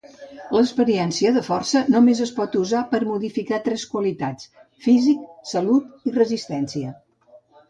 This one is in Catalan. L'experiència de força només es pot usar per a modificar tres qualitats: físic, salut i resistència.